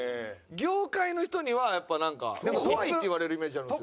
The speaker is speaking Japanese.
業界の人にはやっぱなんか怖いって言われるイメージあるんですよ。